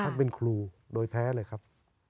เป็นครูโดยแท้เลยครับ